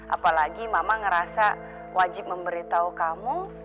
apalagi mama ngerasa wajib memberitahu kamu